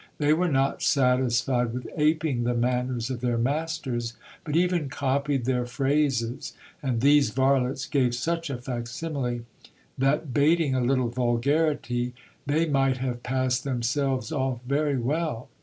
They were not satisfied with aping the manners of their masters, but even copied their phrases ; and these vrrlets gave such a facsimile, that bating a little vulgarity, they might have p:issed themselves off very well.